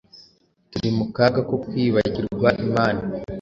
Turi mu kaga ko kwibagirwa Imana